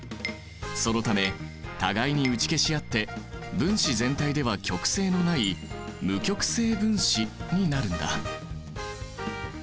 そのため互いに打ち消し合って分子全体では極性のない無極性分子になるんだ。